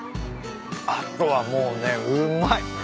あとはもうねうまい。